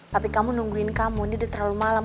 tapi kamu nungguin kamu ini udah terlalu malam